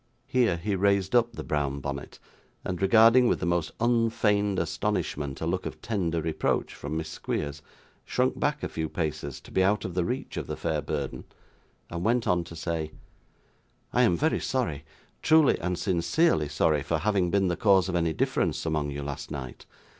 Here he raised up the brown bonnet, and regarding with most unfeigned astonishment a look of tender reproach from Miss Squeers, shrunk back a few paces to be out of the reach of the fair burden, and went on to say: 'I am very sorry truly and sincerely sorry for having been the cause of any difference among you, last night.